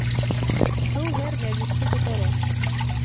Һыу һәр нәжесте күтәрә.